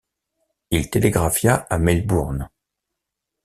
Il télégraphia à Melbourne.